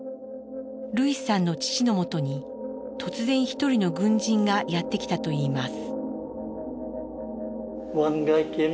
ルイスさんの父のもとに突然一人の軍人がやって来たといいます。